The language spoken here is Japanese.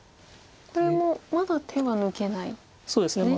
これもまだ手は抜けないんですね。